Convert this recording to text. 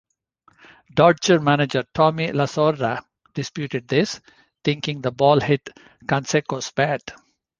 Dodger manager Tommy Lasorda disputed this, thinking the ball hit Canseco's bat.